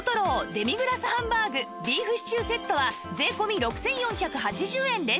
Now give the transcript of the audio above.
デミグラスハンバーグビーフシチューセットは税込６４８０円です